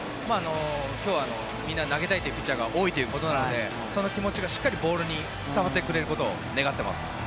今日はみんな投げたいというピッチャーが多いということなのでその気持ちがしっかりボールに伝わってくれることを願っています。